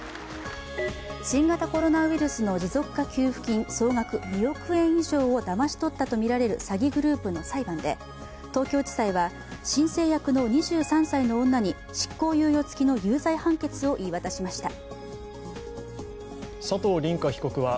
新型コロナウイルスの持続化給付金、総額２億円以上をだまし取ったとみられる詐欺グループの裁判で東京地裁は申請役の２３歳の女に執行猶予付きの有罪判決を言い渡しました。